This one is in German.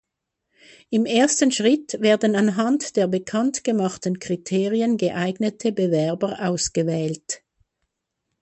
Im ersten Schritt werden anhand der bekannt gemachten Kriterien geeignete Bewerber ausgewählt.